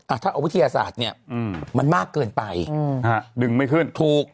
ถ้าเอาวิทยาศาสตร์เนี่ยมันมากเกินไปอืมฮะดึงไม่ขึ้นถูก